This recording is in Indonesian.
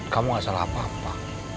kamu gak salah apa apa